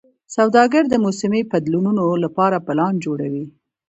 سوداګر د موسمي بدلونونو لپاره پلان جوړوي.